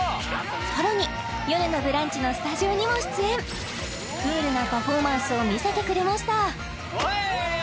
さらに「よるのブランチ」のスタジオにも出演クールなパフォーマンスを見せてくれました